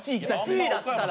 １位だったら。